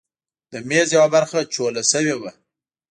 د میز یوه برخه چوله شوې وه.